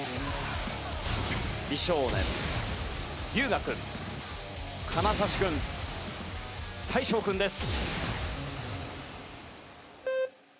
美少年龍我君金指君大昇君です。